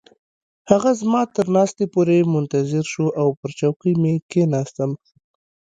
هغه زما تر ناستې پورې منتظر شو او پر چوکۍ مې کښیناستم.